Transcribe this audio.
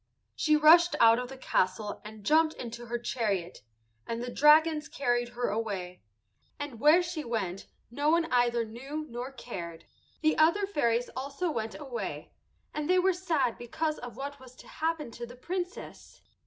She rushed out of the castle and jumped into her chariot, and the dragons carried her away, and where she went no one either knew nor cared. The other fairies also went away, and they were sad because of what was to happen to the Princess.